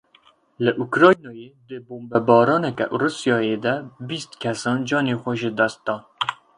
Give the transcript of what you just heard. Li Ukraynayê di bombebaraneke Rûsyayê de bîst kesan canê xwe ji dest dan.